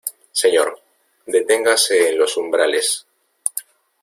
señor, deténgase en los umbrales.